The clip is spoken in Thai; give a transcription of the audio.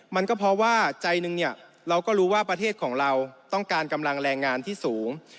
มันก็เพราะว่าใจหนึ่งเนี่ยเราก็รู้ว่าประเทศของเราต้องการกำลังแรงงานที่สูง